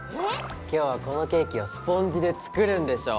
今日はこのケーキをスポンジで作るんでしょ？